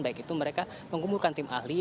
baik itu mereka mengumumkan tim ahli